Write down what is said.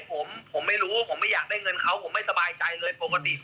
ผมผมไม่รู้ผมไม่อยากได้เงินเขาผมไม่สบายใจเลยปกติ